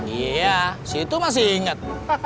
iya situ masih inget